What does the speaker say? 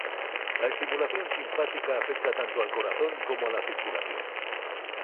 La estimulación simpática afecta tanto al corazón como a la circulación.